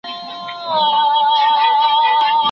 چي شېبې مي د رندانو ویښولې